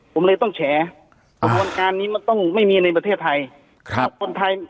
ผมเลยต้องแฉวันการนี้มันต้องไม่มีในประเทศไทย